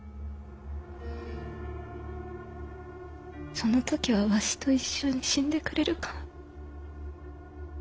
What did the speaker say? その時はわしと一緒に死んでくれるか？